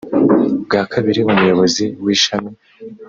bwa kabiri umuyobozi w ishami